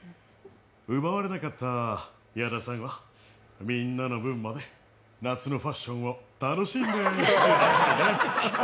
奪われなかった矢田さんはみんなの分まで、夏のファッションを楽しんでくださいね。